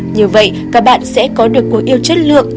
như vậy các bạn sẽ có được cuộc yêu chất lượng